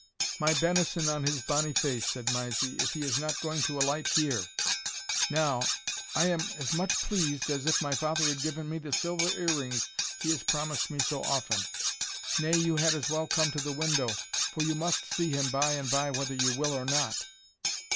"My benison on his bonny face," said Mysie, "if he is not going to alight here! Now, I am as much pleased as if my father had given me the silver earrings he has promised me so often; nay, you had as well come to the window, for you must see him by and by whether you will or not."